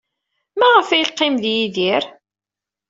Maɣef ay yeqqim ed Yidir?